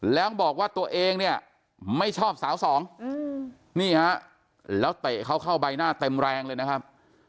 แล้วบอกว่าตัวเองเนี่ยไม่ชอบสาวสองนี่ฮะแล้วเตะเขาเข้าใบหน้าเต็มแรงเลยนะครับ